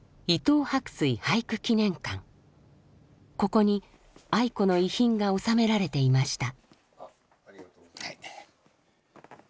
ここに愛子の遺品が収められていました。